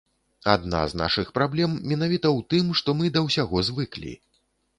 Адна з нашых праблем менавіта ў тым, што мы да ўсяго звыклі.